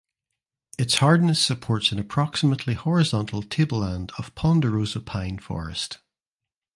Its hardness supports an approximately horizontal tableland of Ponderosa Pine forest.